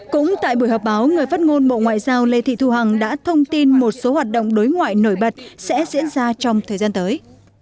cũng tại buổi họp báo người phát ngôn bộ ngoại giao lê thị thu hằng đã thông tin một số hoạt động đối ngoại nổi bật sẽ diễn ra trong thời gian tới